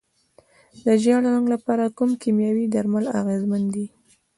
د ژیړ زنګ لپاره کوم کیمیاوي درمل اغیزمن دي؟